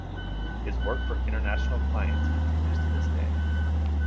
His work for international clients continues to this day.